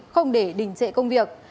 không để đình trệ công việc